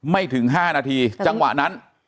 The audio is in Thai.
ไม่ถึง๕นาทีจังหวะนั้น